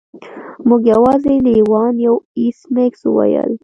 موږ یوازې لیوان یو ایس میکس وویل